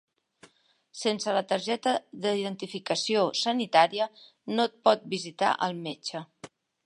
Sense la targeta d'identificació sanitària no et pot visitar el metge.